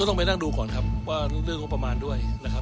ต้องไปนั่งดูก่อนครับว่าเรื่องงบประมาณด้วยนะครับ